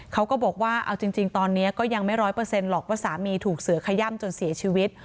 เขาก็บอกว่าเอาจริงตอนนี้ก็ยังไม่๑๐๐หลอกว่าสามีถูกเสือขย่ำจนเสียชีวิต